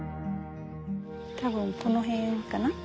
多分この辺かな？